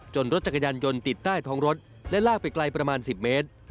รถจักรยานยนต์ติดใต้ท้องรถและลากไปไกลประมาณ๑๐เมตร